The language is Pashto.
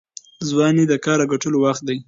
ځواني د کار او ګټلو وخت دی.